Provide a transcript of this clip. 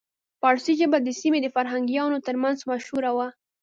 پارسي ژبه د سیمې د فرهنګیانو ترمنځ مشهوره وه